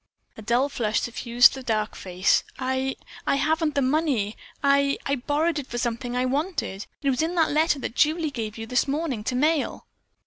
A dull flush suffused the dark face. "I I haven't the money! I I borrowed it for something I wanted. It was in that letter that Julie gave you this morning to mail."